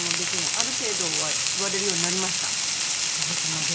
ある程度は座れるようになりましたおかげさまで。